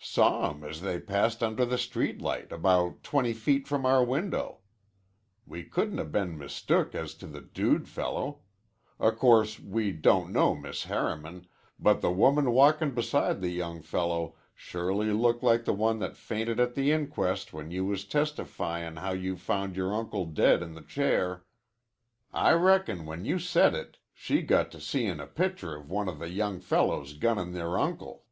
"Saw 'em as they passed under the street light about twenty feet from our window. We couldn't 'a' been mistook as to the dude fellow. O' course we don't know Miss Harriman, but the woman walkin' beside the young fellow surely looked like the one that fainted at the inquest when you was testifyin' how you found yore uncle dead in the chair. I reckon when you said it she got to seein' a picture of one of the young fellows gunnin' their uncle."